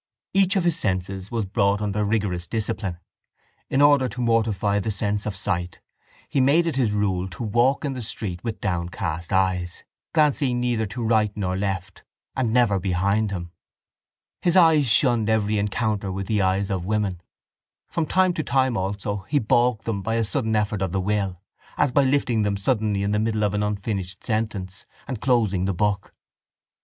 Each of his senses was brought under a rigorous discipline. In order to mortify the sense of sight he made it his rule to walk in the street with downcast eyes, glancing neither to right nor left and never behind him. His eyes shunned every encounter with the eyes of women. From time to time also he balked them by a sudden effort of the will, as by lifting them suddenly in the middle of an unfinished sentence and closing the book.